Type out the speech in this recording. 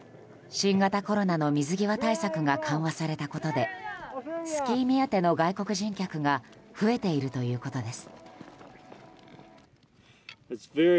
新型コロナの水際対策が緩和されたことでスキー目当ての外国人客が増えているということです。